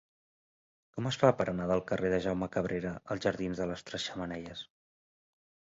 Com es fa per anar del carrer de Jaume Cabrera als jardins de les Tres Xemeneies?